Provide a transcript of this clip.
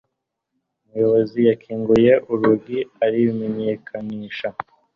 umuyobozi yakinguye urugi arimenyekanisha